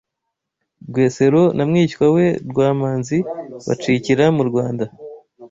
Rwesero na mwishywa we Rwamanzi bacikira mu Rwanda